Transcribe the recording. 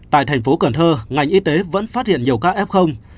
tại thành phố cần thơ ngành y tế vẫn phát hiện nhiều ca ép không